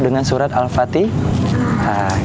dengan surat al fatih hai hai hai hai